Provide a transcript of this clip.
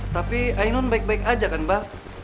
tapi ainun baik baik aja kan mbah